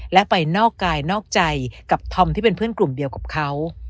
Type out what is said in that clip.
และไปนอกกายนอกใจกับธอมที่เป็นเพื่อนกลุ่มเดียวกับเขา